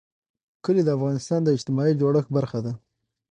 کلي د افغانستان د اجتماعي جوړښت برخه ده.